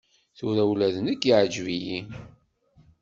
Tura ula d nekk iɛǧeb-iyi.